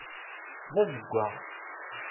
D azeggaɣ.